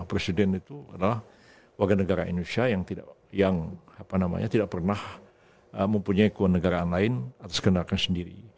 presiden itu adalah wajah negara indonesia yang tidak pernah mempunyai keuangan negara lain atas kendaraan sendiri